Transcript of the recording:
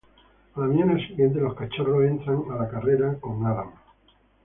A la mañana siguiente, los cachorros entran a la carrera con Adam.